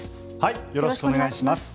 よろしくお願いします。